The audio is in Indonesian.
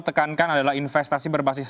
tekankan adalah investasi berbasis